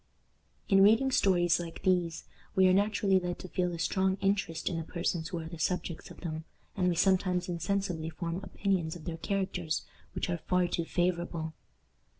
In reading stories like these, we are naturally led to feel a strong interest in the persons who are the subjects of them, and we sometimes insensibly form opinions of their characters which are far too favorable.